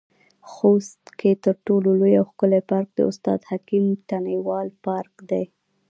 خوست کې تر ټولو لوى او ښکلى پارک د استاد حکيم تڼيوال پارک دى.